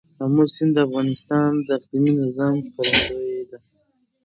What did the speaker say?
آمو سیند د افغانستان د اقلیمي نظام ښکارندوی ده.